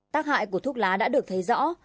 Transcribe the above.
tác hại của thuốc lá đã được thấy rõ